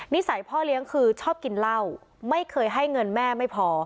สัยพ่อเลี้ยงคือชอบกินเหล้าไม่เคยให้เงินแม่ไม่พอ